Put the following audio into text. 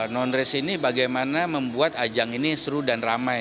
non race ini bagaimana membuat ajang ini seru dan ramai